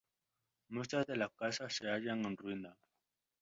Muchas de las casas se hallan en ruinas.